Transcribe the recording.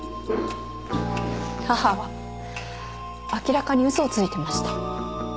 母は明らかに嘘をついてました。